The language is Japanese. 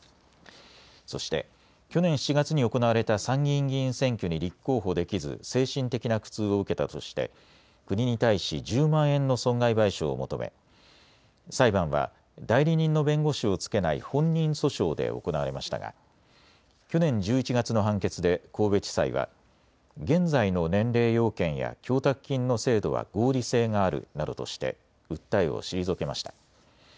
そして去年７月に行われた参議院議員選挙に立候補できず精神的な苦痛を受けたとして国に対し１０万円の損害賠償を求め、裁判は代理人の弁護士をつけない本人訴訟で行われましたが去年１１月の判決で神戸地裁は現在の年齢要件や供託金の制度は合理性があるなどとして訴えを退けました。